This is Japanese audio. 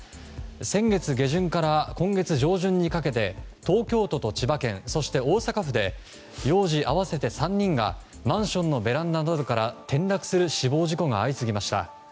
先月下旬から今月上旬にかけて東京都と千葉県そして大阪府で幼児合わせて３人がマンションのベランダなどから転落する死亡事故が相次ぎました。